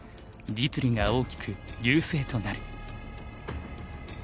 実利が大きく優勢となる。